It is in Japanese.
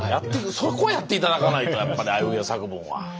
そこやって頂かないとやっぱりあいうえお作文は。